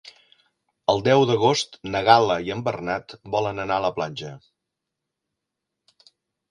El deu d'agost na Gal·la i en Bernat volen anar a la platja.